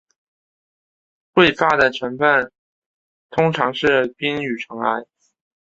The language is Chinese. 彗发的成分通常是冰与尘埃。